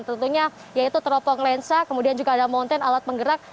tentunya yaitu teropong lensa kemudian juga ada monten alat penggerak